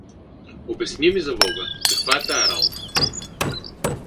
— Обясни ми, за бога, каква е тая работа?